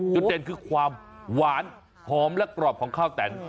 จุดเด่นคือความหวานหอมและกรอบของข้าวแต่น